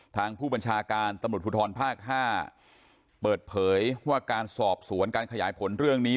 ทางผู้บัญชาการตำรวจภูทรภาค๕เปิดเผยว่าการสอบสวนการขยายผลเรื่องนี้